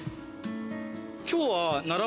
今日は。